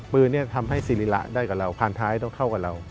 ปืนทำให้สิริระได้กับเราผ่านท้ายต้องเข้ากับเรา